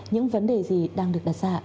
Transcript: những vấn đề gì đang được đặt ra